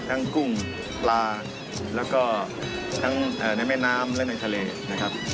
กุ้งปลาแล้วก็ทั้งในแม่น้ำและในทะเลนะครับ